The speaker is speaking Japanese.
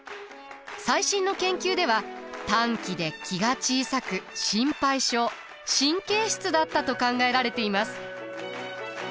最新の研究では短気で気が小さく心配性神経質だったと考えられています。